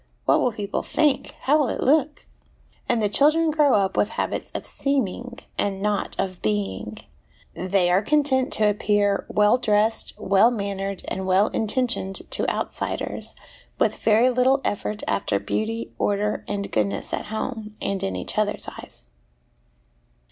what will people think? how will it look?' and the children grow up with habits of seeming, and not of being; they are content to appear well dressed, well mannered, and well intentioned to outsiders, with very little effort after beauty, order, and goodness at home, and in each other's eyes.